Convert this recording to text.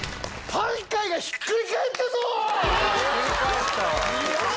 パン界がひっくり返ったぞ！